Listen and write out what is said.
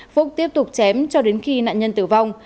phúc tiếp tục chém cho đến khi nạn nhân tử vong